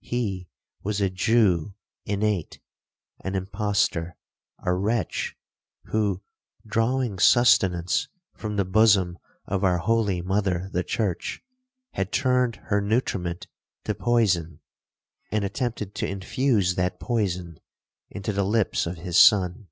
He was a Jew innate, an impostor,—a wretch, who, drawing sustenance from the bosom of our holy mother the church, had turned her nutriment to poison, and attempted to infuse that poison into the lips of his son.